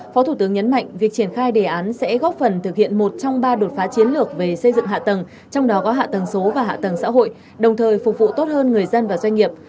phó thủ tướng nhấn mạnh việc triển khai đề án sẽ góp phần thực hiện một trong ba đột phá chiến lược về xây dựng hạ tầng trong đó có hạ tầng số và hạ tầng xã hội đồng thời phục vụ tốt hơn người dân và doanh nghiệp